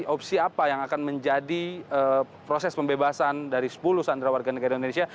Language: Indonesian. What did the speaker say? opsi apa yang akan menjadi proses pembebasan dari sepuluh sandra warga negara indonesia